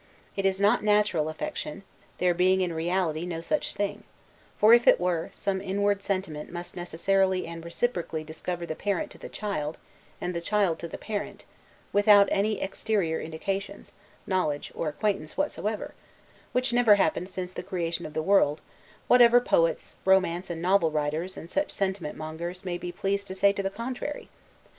It is not natural affection, there being in reality no such thing; for, if there were, some inward sentiment must necessarily and reciprocally discover the parent to the child, and the child to the parent, without any exterior indications, knowledge, or acquaintance whatsoever; which never happened since the creation of the world, whatever poets, romance, and novel writers, and such sentiment mongers, may be pleased to say to the contrary.